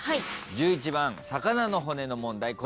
１１番魚の骨の問題